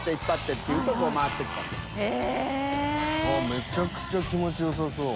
めちゃくちゃ気持ちよさそう。